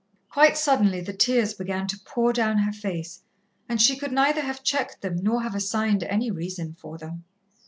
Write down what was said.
Quite suddenly the tears began to pour down her face, and she could neither have checked them nor have assigned any reason for them.